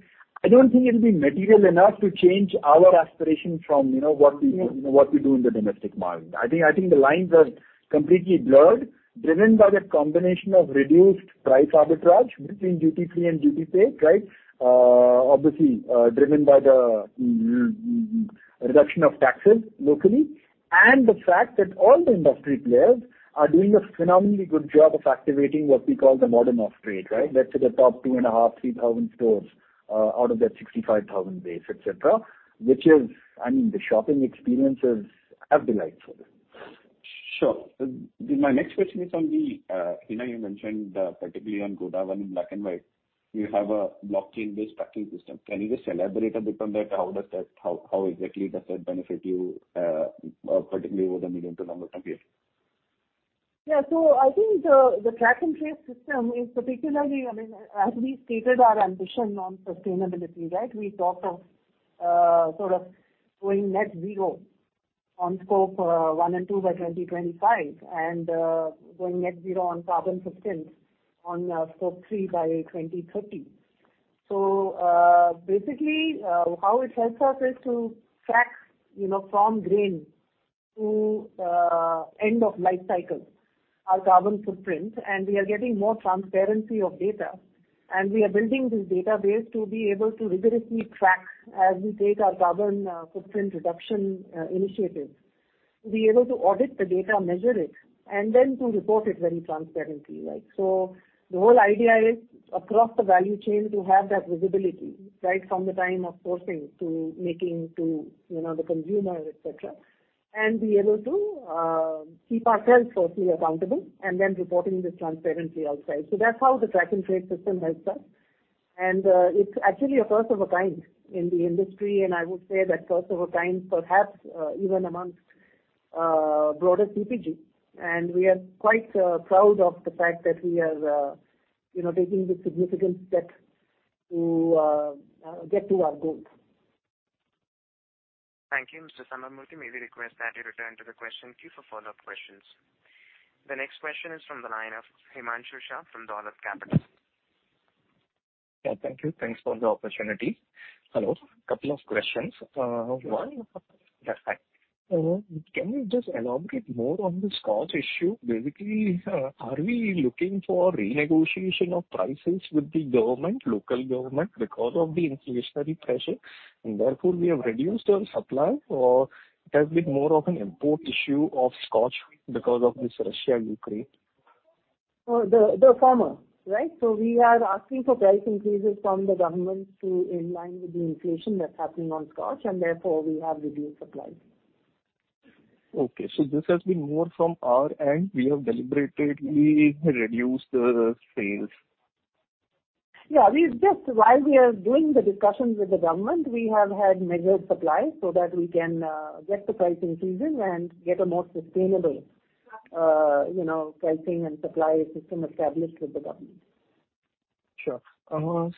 I don't think it'll be material enough to change our aspiration from, you know, what we do in the domestic market. I think the lines are completely blurred, driven by the combination of reduced price arbitrage between duty-free and duty paid, right? Obviously, driven by the reduction of taxes locally, and the fact that all the industry players are doing a phenomenally good job of activating what we call the modern off-street, right? Let's say the top 2.5-3,000 stores, out of that 65,000 base, et cetera, which is. I mean, the shopping experience is delightful. Sure. My next question is on the Hina you mentioned, particularly on Godawan and Black & White. You have a blockchain-based tracking system. Can you just elaborate a bit on that? How exactly does that benefit you, particularly over the medium to longer term period? Yeah. I think the track and trace system is particularly, I mean, as we stated our ambition on sustainability, right? We talked of sort of going net zero on scope 1 and 2 by 2025, and going net zero on carbon footprint on scope 3 by 2030. Basically, how it helps us is to track, you know, from grain to end of life cycle, our carbon footprint, and we are getting more transparency of data, and we are building this database to be able to rigorously track as we take our carbon footprint reduction initiatives, to be able to audit the data, measure it, and then to report it very transparently, right? The whole idea is across the value chain to have that visibility, right from the time of sourcing to making to, you know, the consumer, et cetera, and be able to keep ourselves firstly accountable and then reporting this transparently outside. That's how the track and trace system helps us. It's actually a first of a kind in the industry, and I would say the first of a kind perhaps even among broader CPG. We are quite proud of the fact that we are, you know, taking this significant step to get to our goals. Thank you. Mr. Sambamoorthy, may we request that you return to the question queue for follow-up questions. The next question is from the line of Himanshu Shah from Dolat Capital. Yeah, thank you. Thanks for the opportunity. Hello. Couple of questions. Yeah. Yeah, hi. Can you just elaborate more on the Scotch issue? Basically, are we looking for renegotiation of prices with the government, local government, because of the inflationary pressure, and therefore we have reduced our supply? Or it has been more of an import issue of Scotch because of this Russia-Ukraine? We are asking for price increases from the government to align with the inflation that's happening on scotch, and therefore we have reduced supply. Okay. This has been more from our end. We have deliberately reduced the sales. Yeah. While we are doing the discussions with the government, we have had measured supply so that we can get the price increases and get a more sustainable, you know, pricing and supply system established with the government. Sure.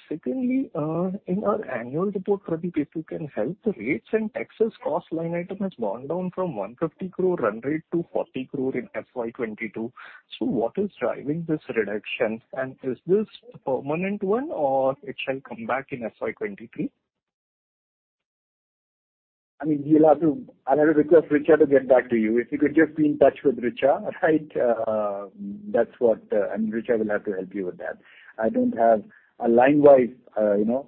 Secondly, in our annual report, Pradeep, if you can help, the rates and taxes cost line item has gone down from 150 crore run rate to 40 crore in FY 2022. What is driving this reduction, and is this a permanent one or it shall come back in FY 2023? I mean, you'll have to. I'll have to request Richa to get back to you. If you could just be in touch with Richa, right? That's what. I mean, Richa will have to help you with that. I don't have a line-wise, you know,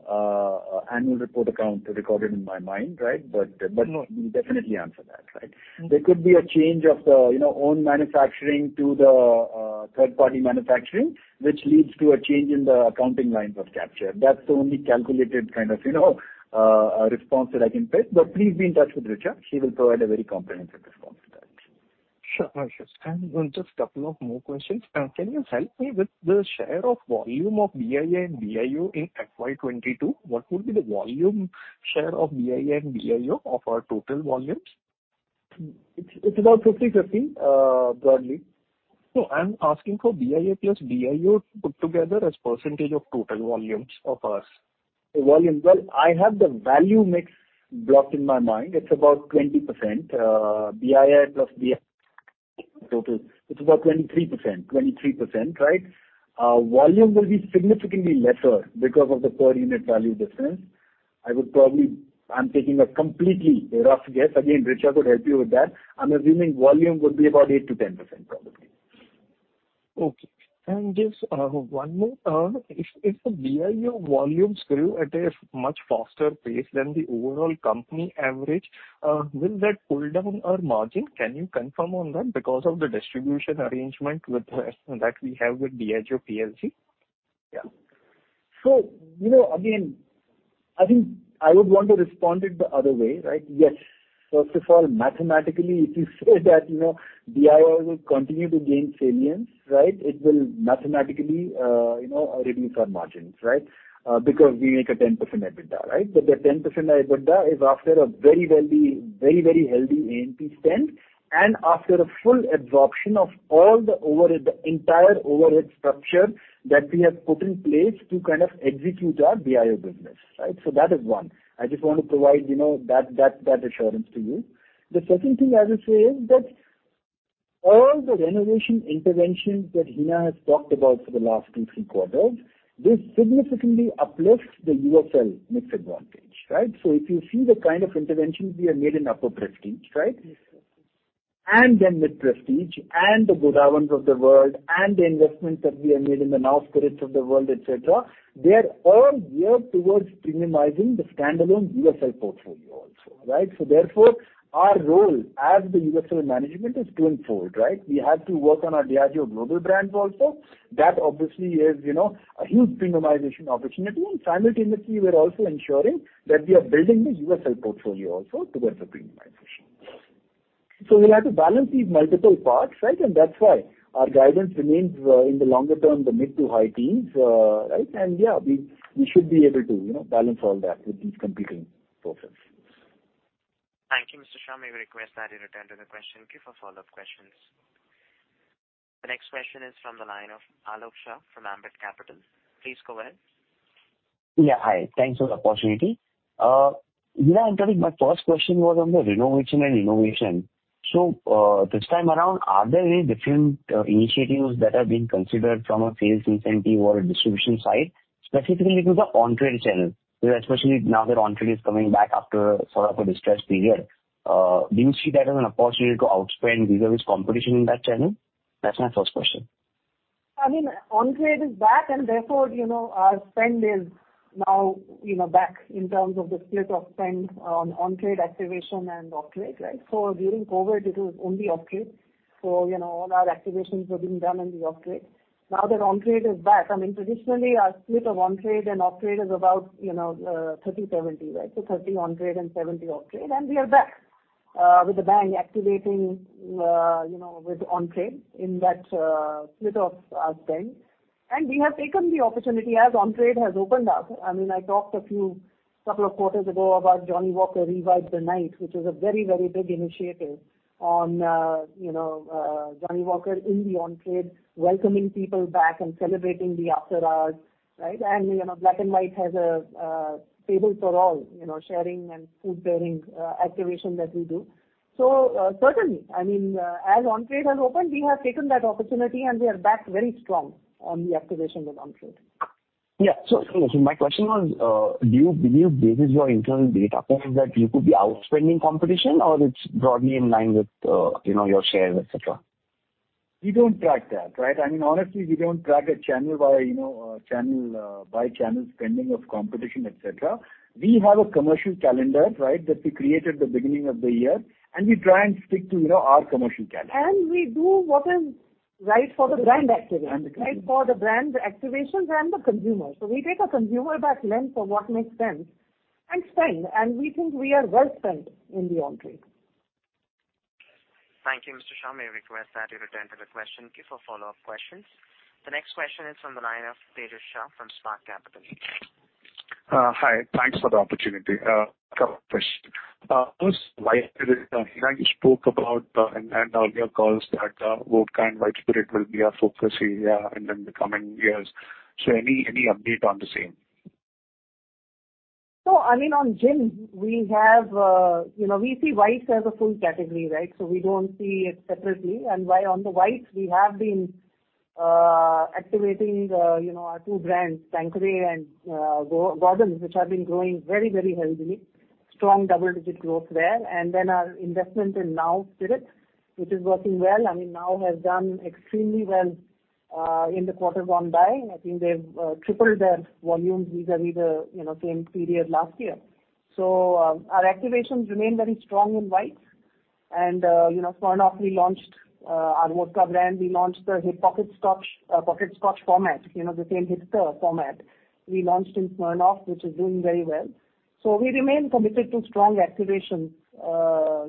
annual report account recorded in my mind, right? No. We'll definitely answer that, right? There could be a change of the, you know, own manufacturing to the, third-party manufacturing, which leads to a change in the accounting lines of capture. That's the only calculated kind of, you know, response that I can place. Please be in touch with Richa. She will provide a very comprehensive response to that. Sure. Just couple of more questions. Can you help me with the share of volume of BIA and BIO in FY 2022? What would be the volume share of BIA and BIO of our total volumes? It's about 50-50, broadly. No, I'm asking for BIA plus BIO put together as percentage of total volumes of ours. Volume. Well, I have the value mix blocked in my mind. It's about 20%. BIA plus BI-Total, it's about 23%, right? Volume will be significantly lesser because of the per unit value difference. I would probably. I'm taking a completely rough guess. Again, Richa could help you with that. I'm assuming volume would be about 8%-10% probably. Okay. Just one more. If the BIO volume grew at a much faster pace than the overall company average, will that pull down our margin? Can you confirm on that because of the distribution arrangement with the rest that we have with Diageo plc? Yeah. You know, again, I think I would want to respond it the other way, right? Yes. First of all, mathematically, if you say that, you know, BIO will continue to gain salience, right, it will mathematically, you know, reduce our margins, right? Because we make a 10% EBITDA, right? But the 10% EBITDA is after a very healthy, very, very healthy A&P spend, and after a full absorption of all the overhead, the entire overhead structure that we have put in place to kind of execute our BIO business, right? That is one. I just want to provide, you know, that assurance to you. The second thing I will say is that all the renovation interventions that Hina has talked about for the last two, three quarters, this significantly uplifts the USL mix advantage, right? If you see the kind of interventions we have made in Upper Prestige, right? Yes, sir. Then Mid Prestige and the Godawan of the world and the investments that we have made in the Nao Spirits of the world, etc., they are all geared towards premiumizing the standalone USL portfolio also, right? Therefore, our role as the USL management is two-fold, right? We have to work on our Diageo global brands also. That obviously is, you know, a huge premiumization opportunity. Simultaneously, we're also ensuring that we are building the USL portfolio also towards the premiumization. We'll have to balance these multiple parts, right? That's why our guidance remains in the longer term, the mid- to high-teens, right? Yeah, we should be able to, you know, balance all that with this competing process. Thank you, Mr. Shah. We request that you return to the question queue for follow-up questions. The next question is from the line of Alok Shah from Ambit Capital. Please go ahead. Yeah, hi. Thanks for the opportunity. Hina, I think my first question was on the renovation and innovation. This time around, are there any different initiatives that are being considered from a sales incentive or a distribution side, specifically to the on-trade channel? Especially now that on-trade is coming back after sort of a distressed period, do you see that as an opportunity to outspend vis-à-vis competition in that channel? That's my first question. I mean, on-trade is back, and therefore, you know, our spend is now, you know, back in terms of the split of spend on on-trade activation and off-trade, right? During COVID, it was only off-trade. You know, all our activations were being done in the off-trade. Now that on-trade is back, I mean, traditionally our split of on-trade and off-trade is about, you know, 30/70, right? 30 on-trade and 70 off-trade, and we are back with a bang activating, you know, with on-trade in that split of our spend. We have taken the opportunity as on-trade has opened up. I mean, I talked a couple of quarters ago about Johnnie Walker Revive the Night, which is a very, very big initiative on, you know, Johnnie Walker in the on-trade, welcoming people back and celebrating the after hours, right? You know, Black & White has a table for all, you know, sharing and food pairing activation that we do. Certainly, I mean, as on-trade has opened, we have taken that opportunity, and we are back very strong on the activation with on-trade. My question was, do you base your internal data points that you could be outspending competition or it's broadly in line with, you know, your shares, et cetera? We don't track that, right? I mean, honestly, we don't track a channel by channel spending of competition, et cetera. We have a commercial calendar, right, that we create at the beginning of the year, and we try and stick to, you know, our commercial calendar. We do what is right for the brand activation. The consumer. Right? For the brand activations and the consumer. We take a consumer-led lens for what makes sense and spend, and we think we are well spent in the on-trade. Thank you, Mr. Shah. We request that you return to the question queue for follow-up questions. The next question is from the line of Tejas Shah from Spark Capital. Hi. Thanks for the opportunity. Couple of questions. First, Hina, you spoke about in earlier calls that vodka and white spirit will be our focus area in the coming years. Any update on the same? I mean, on gin, we have, you know, we see whites as a full category, right? We don't see it separately. While on the whites, we have been activating, you know, our two brands, Tanqueray and Gordon's, which have been growing very, very healthily, strong double-digit growth there. Then our investment in Nao Spirits, which is working well. I mean, Nao has done extremely well in the quarter gone by, and I think they've tripled their volumes vis-à-vis the, you know, same period last year. Our activations remain very strong in whites and, you know, Smirnoff relaunched, our vodka brand. We launched the Hip Pocket Scotch, Pocket Scotch format, you know, the same Hipster format we launched in Smirnoff, which is doing very well. We remain committed to strong activations,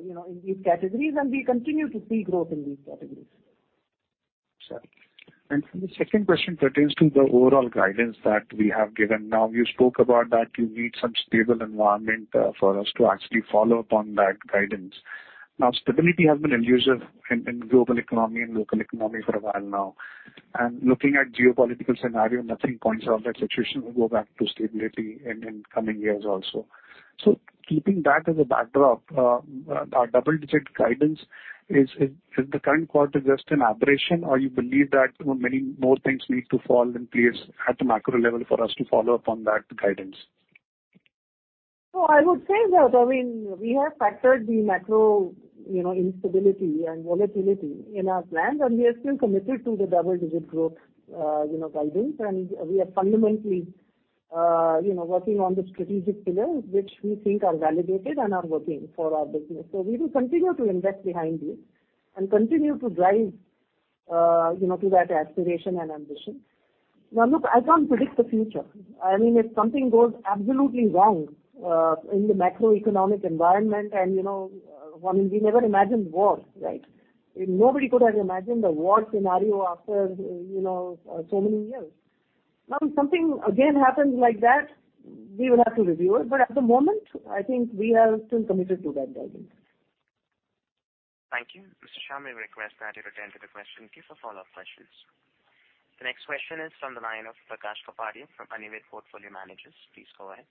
you know, in these categories, and we continue to see growth in these categories. Sure. The second question pertains to the overall guidance that we have given. Now, you spoke about that you need some stable environment for us to actually follow up on that guidance. Now, stability has been elusive in global economy and local economy for a while now. Looking at geopolitical scenario, nothing points out that situation will go back to stability in coming years also. Keeping that as a backdrop, our double-digit guidance, is the current quarter just an aberration or you believe that, you know, many more things need to fall in place at the macro level for us to follow up on that guidance? I would say that, I mean, we have factored the macro, you know, instability and volatility in our plans, and we are still committed to the double-digit growth, you know, guidance. We are fundamentally, you know, working on the strategic pillars, which we think are validated and are working for our business. We will continue to invest behind this and continue to drive, you know, to that aspiration and ambition. Now, look, I can't predict the future. I mean, if something goes absolutely wrong in the macroeconomic environment and, you know, I mean, we never imagined war, right? Nobody could have imagined a war scenario after, you know, so many years. Now, if something again happens like that, we will have to review it. At the moment, I think we are still committed to that guidance. Thank you. Mr. Shah, may I request that you return to the question queue for follow-up questions. The next question is from the line of Prakash Kapadia from Anived Portfolio Managers. Please go ahead.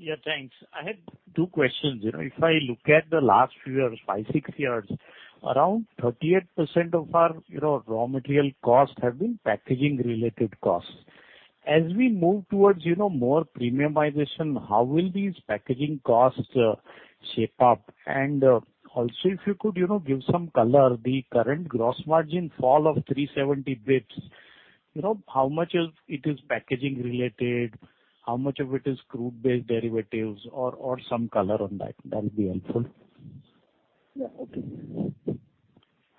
Yeah, thanks. I had two questions. You know, if I look at the last few years, five, six years, around 38% of our, you know, raw material costs have been packaging related costs. As we move towards, you know, more premiumization, how will these packaging costs shape up? And also if you could, you know, give some color, the current gross margin fall of 370 basis points, you know, how much is it packaging related, how much of it is crude-based derivatives or some color on that would be helpful. Yeah. Okay.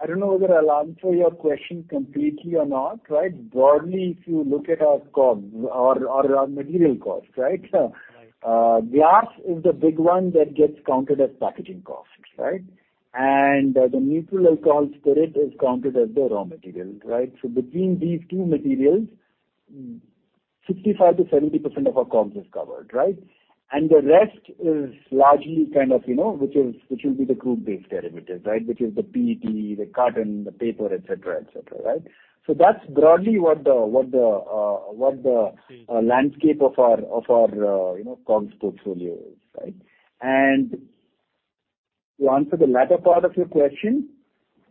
I don't know whether I'll answer your question completely or not, right? Broadly, if you look at our costs or our material costs, right? Right. Glass is the big one that gets counted as packaging costs, right? The neutral alcohol spirit is counted as the raw material, right? Between these two materials, 65%-70% of our costs is covered, right? The rest is largely kind of, you know, which is, which will be the crude-based derivatives, right? Which is the PET, the carton, the paper, et cetera, et cetera, right? That's broadly what the. Okay. Landscape of our you know costs portfolio is right? To answer the latter part of your question,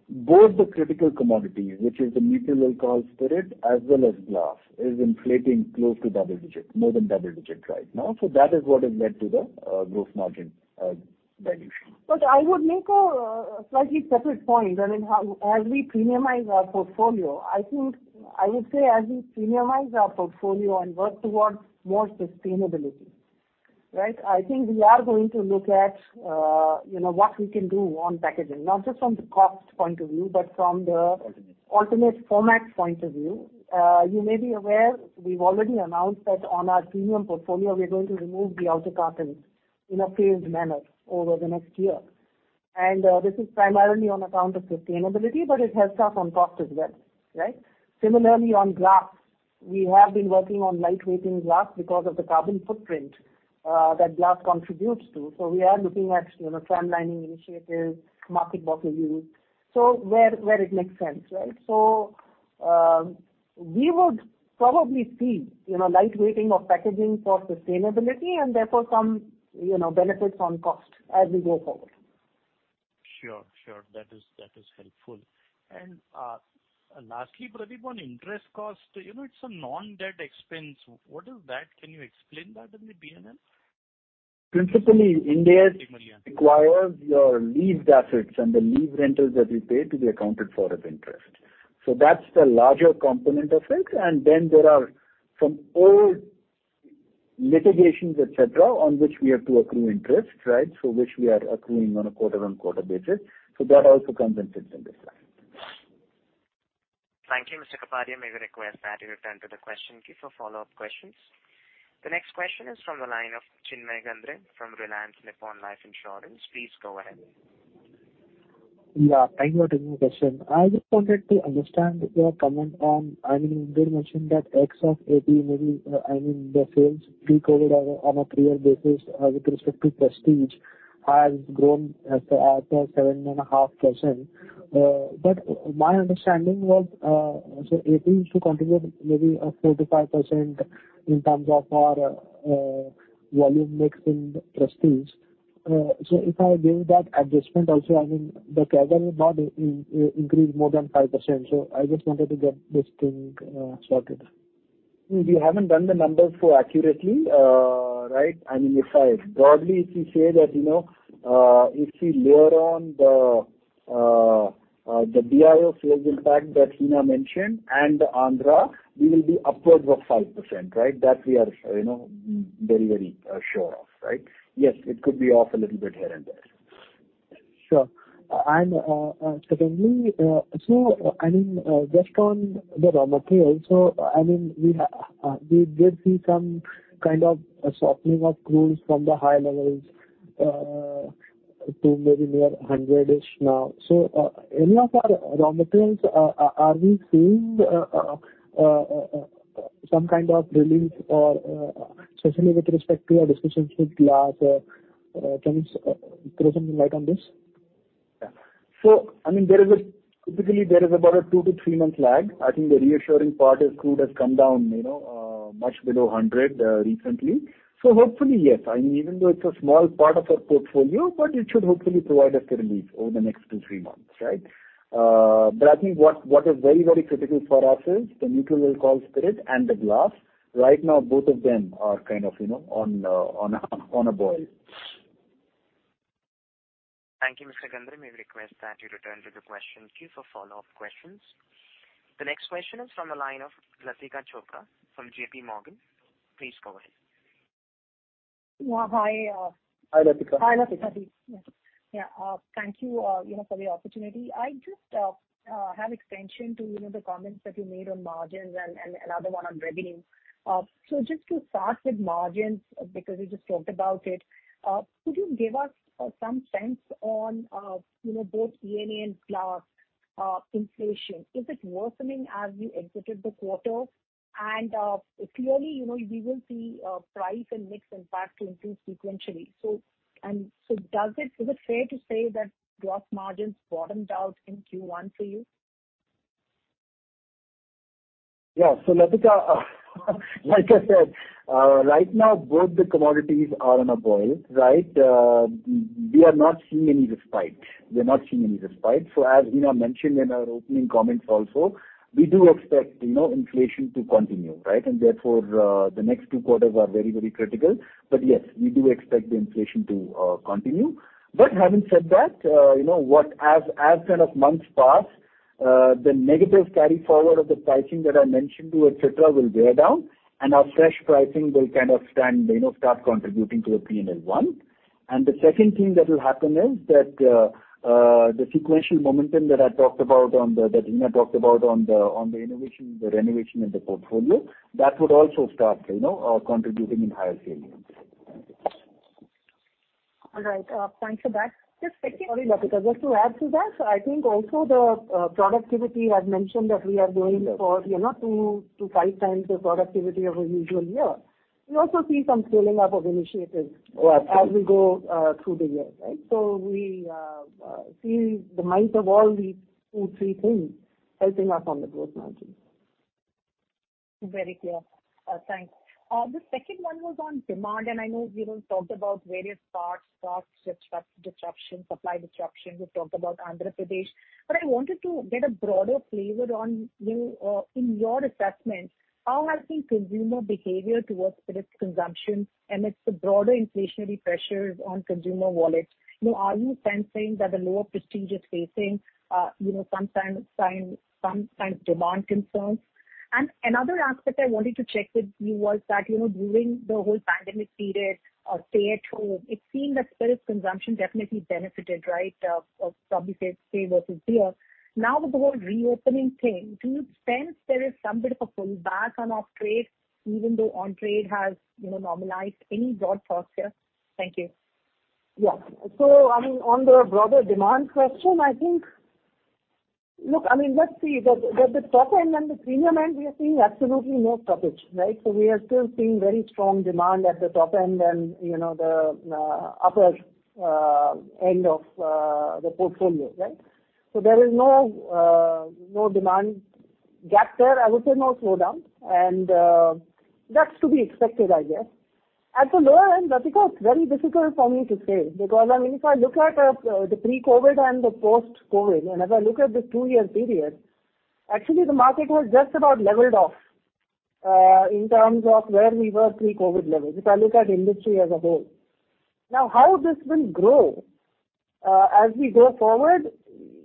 both the critical commodities, which is the neutral alcohol spirit as well as glass, is inflating close to double digits, more than double digits right now. That is what has led to the gross margin reduction. I would make a slightly separate point. I mean, however, as we premiumize our portfolio and work towards more sustainability, right, I think we are going to look at, you know, what we can do on packaging, not just from the cost point of view, but from the- Alternate. You may be aware, we've already announced that on our premium portfolio, we're going to remove the outer cartons in a phased manner over the next year. This is primarily on account of sustainability, but it helps us on cost as well, right? Similarly, on glass, we have been working on light-weighting glass because of the carbon footprint that glass contributes to. We are looking at, you know, tram lining initiatives, market bottle use, so where it makes sense, right? We would probably see, you know, light-weighting of packaging for sustainability and therefore some, you know, benefits on cost as we go forward. Sure. That is helpful. Lastly, Pradeep, on interest cost, you know, it's a non-debt expense. What is that? Can you explain that in the BNL? Principally, India requires your leased assets and the lease rentals that you pay to be accounted for as interest. That's the larger component of it. Then there are some old litigations, et cetera, on which we have to accrue interest, right, so which we are accruing on a quarter-on-quarter basis. That also comes into play. Thank you. Mr. Kapadia, may we request that you return to the question queue for follow-up questions. The next question is from the line of Chinmay Gandhi from Reliance Nippon Life Insurance. Please go ahead. Yeah. Thank you for taking the question. I just wanted to understand your comment on, I mean, you mentioned that ex of P&A maybe, the sales pre-COVID on a prior basis with respect to prestige has grown at 7.5%. My understanding was, so P&A used to contribute maybe 45% in terms of our volume mix in prestige. If I give that adjustment also, I mean, the category not increase more than 5%. I just wanted to get this thing sorted. We haven't done the numbers so accurately, right? I mean, broadly, if you say that, you know, if we layer on the BIO sales impact that Hina mentioned and the Andhra, we will be upwards of 5%, right? That we are, you know, very sure of, right? Yes, it could be off a little bit here and there. Sure. Secondly, I mean, just on the raw material, I mean, we did see some kind of a softening of crudes from the high levels to maybe near $100-ish now. Any of our raw materials, are we seeing some kind of relief or, especially with respect to our discussions with glass? Can you throw some light on this? I mean, there is typically about a 2-3-month lag. I think the reassuring part is crude has come down, you know, much below 100 recently. Hopefully, yes. I mean, even though it is a small part of our portfolio, but it should hopefully provide us relief over the next 2-3 months, right? But I think what is very, very critical for us is the neutral alcohol spirit and the glass. Right now, both of them are kind of, you know, on a boil. Thank you, Mr. Gandhi. We request that you return to the question queue for follow-up questions. The next question is from the line of Latika Chopra from JPMorgan. Please go ahead. Well, hi. Hi, Latika. Hi, Latika. Yes. Yeah, thank you know, for the opportunity. I just have extension to, you know, the comments that you made on margins and another one on revenue. Just to start with margins, because we just talked about it, could you give us some sense on, you know, both ENA and glass inflation? Is it worsening as you exited the quarter? Clearly, you know, we will see price and mix impact to increase sequentially. Is it fair to say that glass margins bottomed out in Q1 for you? Yeah. Latika, like I said, right now both the commodities are on a boil, right? We are not seeing any respite. As Hina mentioned in our opening comments also, we do expect, you know, inflation to continue, right? Therefore, the next two quarters are very, very critical. Yes, we do expect the inflation to continue. Having said that, you know what, as kind of months pass, the negative carry forward of the pricing that I mentioned earlier will wear down, and our fresh pricing will kind of start contributing to the P&L. The second thing that will happen is that, the sequential momentum that I talked about on the... That Hina talked about on the innovation, the renovation in the portfolio, that would also start, you know, contributing in higher sales. All right. Thanks for that. Just second. Sorry, Latika. Just to add to that, I think also the productivity I'd mentioned that we are going for, you know, 2-5 times the productivity of a usual year. We also see some scaling up of initiatives. Right. As we go through the year, right? We see the impact of all these 2-3 things helping us on the growth margin. Very clear. Thanks. The second one was on demand, and I know we've talked about various parts, stock disruptions, supply disruption. We've talked about Andhra Pradesh. I wanted to get a broader flavor on, you know, in your assessment, how has been consumer behavior towards spirits consumption amidst the broader inflationary pressures on consumer wallets? You know, are you sensing that the lower prestige is facing, you know, some signs, some kind of demand concerns? Another aspect I wanted to check with you was that, you know, during the whole pandemic period of stay at home, it seemed that spirits consumption definitely benefited, right? Probably spirits versus beer. Now, with the whole reopening thing, do you sense there is some bit of a pullback on off-trade even though on-trade has, you know, normalized? Any broad thoughts here? Thank you. On the broader demand question, I think the top end and the premium end, we are seeing absolutely no stoppage, right? We are still seeing very strong demand at the top end and, you know, the upper end of the portfolio, right? There is no demand gap there. I would say no slowdown. That's to be expected, I guess. At the lower end, Latika, it's very difficult for me to say because, I mean, if I look at the pre-COVID and the post-COVID, and as I look at the two-year period, actually the market was just about leveled off, in terms of where we were pre-COVID levels, if I look at industry as a whole. Now, how this will grow, as we go forward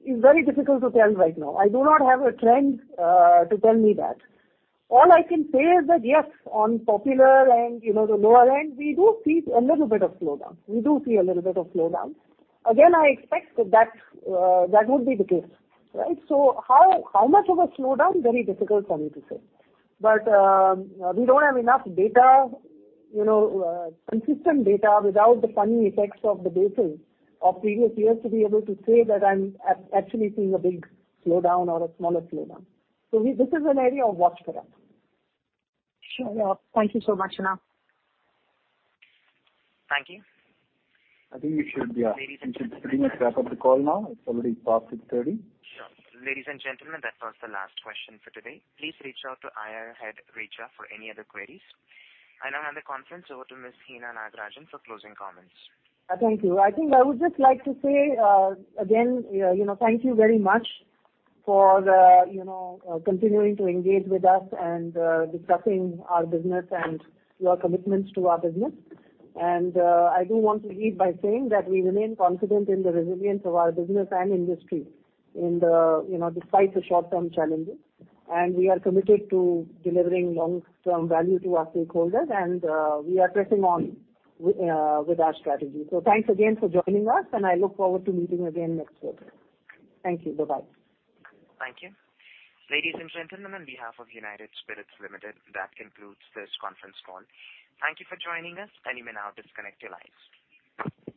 is very difficult to tell right now. I do not have a trend to tell me that. All I can say is that, yes, on popular and, you know, the lower end, we do see a little bit of slowdown. Again, I expect that would be the case, right? How much of a slowdown? Very difficult for me to say. We don't have enough data, you know, consistent data without the funny effects of the bases of previous years to be able to say that I'm actually seeing a big slowdown or a smaller slowdown. This is an area to watch for us. Sure. Thank you so much, Hina. Thank you. I think we should, yeah. Ladies and gentlemen. We should pretty much wrap up the call now. It's already past 6:30 P.M. Sure. Ladies and gentlemen, that was the last question for today. Please reach out to IR head, Richa for any other queries. I now hand the conference over to Ms. Hina Nagarajan for closing comments. Thank you. I think I would just like to say, again, you know, thank you very much for the, you know, continuing to engage with us and, discussing our business and your commitments to our business. I do want to leave by saying that we remain confident in the resilience of our business and industry in the, you know, despite the short-term challenges. We are committed to delivering long-term value to our stakeholders, and, we are pressing on with our strategy. Thanks again for joining us, and I look forward to meeting again next quarter. Thank you. Bye-bye. Thank you. Ladies and gentlemen, on behalf of United Spirits Limited, that concludes this conference call. Thank you for joining us, and you may now disconnect your lines.